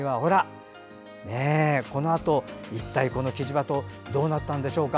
このあと、一体このキジバトどうなったんでしょうか。